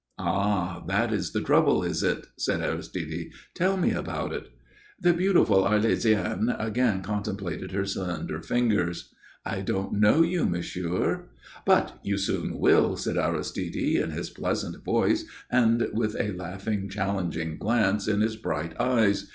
"Ah, that is the trouble, is it?" said Aristide. "Tell me all about it." The beautiful Arlésienne again contemplated her slender fingers. "I don't know you, monsieur." "But you soon will," said Aristide, in his pleasant voice and with a laughing, challenging glance in his bright eyes.